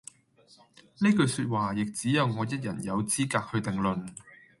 呢句說話，亦只我一人有資格去定論